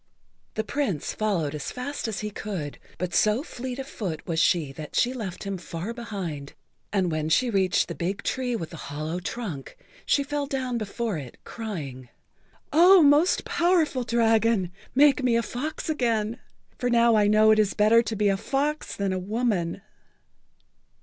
The Prince followed as fast as he could, but so fleet of foot was she that she left him far behind, and when she reached the big tree with the hollow trunk she fell down before it, crying: [Pg 41]"Oh, most powerful dragon, make me a fox again, for now I know it is better to be a fox than a woman."